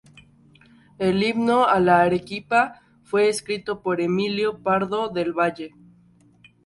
El Himno a Arequipa fue escrito por Emilio Pardo del Valle.